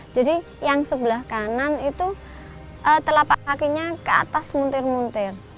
jadi yang sebelah kanan itu telapak kakinya ke atas munter munter